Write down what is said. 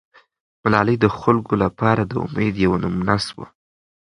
ملالۍ د خلکو لپاره د امید یوه نمونه سوه.